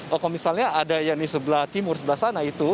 kalau misalnya ada yang di sebelah timur sebelah sana itu